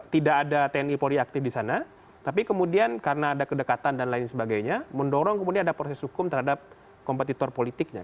tidak ada tni polri aktif di sana tapi kemudian karena ada kedekatan dan lain sebagainya mendorong kemudian ada proses hukum terhadap kompetitor politiknya